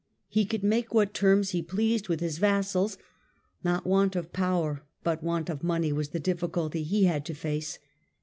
He could make what terms he pleased with his vassals. Not want of power, but want of money was the difficulty he had to face.